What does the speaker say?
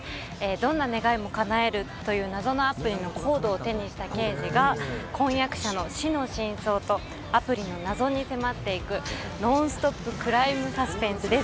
どんな願いもかなえるという、謎のアプリのＣＯＤＥを手にした刑事が、婚約者の死の真相とアプリの謎に迫っていく、ノンストップクライムサスペンスです。